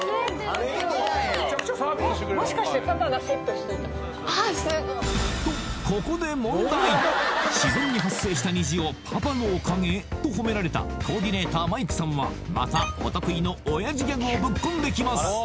あっすごっとここで問題自然に発生した虹を「パパのおかげ」とほめられたコーディネーターマイクさんはまたお得意のオヤジギャグをブッ込んできます